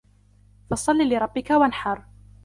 فصل لربك وانحر